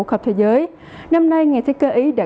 khắp thế giới năm nay ngày thi cơ ý đã